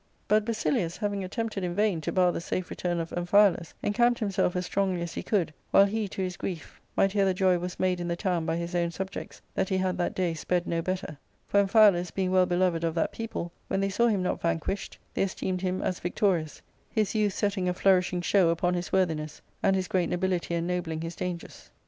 But Basilius, having attempted in vain to bar the safe return of Amphialus, encamped him self as strongly as he could, while he, to his grief, might hear the joy was made in the town by his own subjects, that he had that day sped no better; for Amphialus, being well beloved of that people, when they saw him not vanquished, they esteemed him as victorious, his youth setting a flourish ing show upon his worthiness, and his great nobility en nobling his dangers.